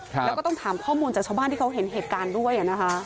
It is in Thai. แล้วก็ต้องถามข้อมูลจากชาวบ้านที่เขาเห็นเหตุการณ์ด้วยอ่ะนะคะ